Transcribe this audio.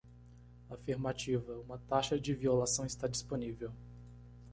Afirmativa? uma taxa de violação está disponível.